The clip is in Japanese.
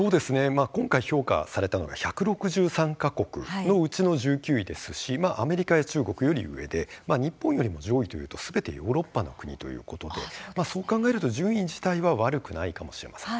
今回評価されたのが１６３か国のうちの１９位ですしアメリカや中国より上で日本よりも上位というと、すべてヨーロッパの国ということでそう考えると順位自体は悪くないかもしれません。